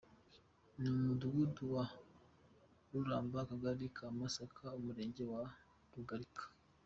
Ni mu mudugudu wa Ruramba, Akagari ka Masaka Umurenge wa Rugarika .